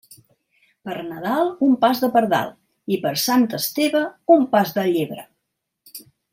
Per Nadal, un pas de pardal, i per Sant Esteve, un pas de llebre.